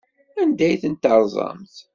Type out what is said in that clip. Anda ay tent-terẓamt?